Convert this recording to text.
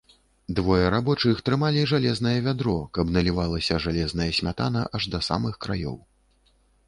Двое рабочых трымалі жалезнае вядро, каб налівалася жалезная смятана аж да самых краёў.